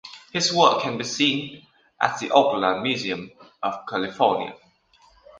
His work can be seen at the Oakland Museum of California.